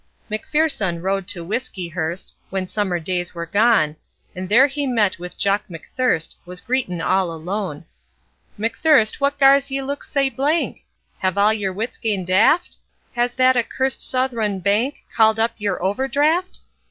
..... MacFierce'un rode to Whiskeyhurst, When summer days were gone, And there he met with Jock McThirst Was greetin' all alone. 'McThirst what gars ye look sae blank? Have all yer wits gane daft? Has that accursed Southron bank Called up your overdraft?